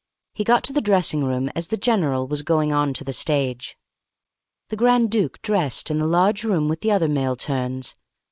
He got to the dressing room as the general was going on to the stage. The Grand Duke dressed in the large room with the other male turns.